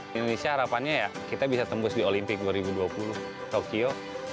di indonesia harapannya ya kita bisa tembus di olimpik dua ribu dua puluh tokyo